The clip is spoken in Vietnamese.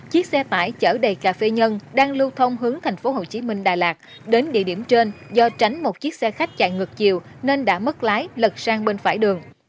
chiếc xe tải chở đầy cà phê nhân đang lưu thông hướng thành phố hồ chí minh đà lạt đến địa điểm trên do tránh một chiếc xe khách chạy ngược chiều nên đã mất lái lật sang bên phải đường